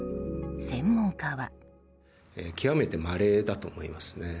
専門家は。